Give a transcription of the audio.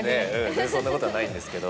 全然そんなことはないんですけど。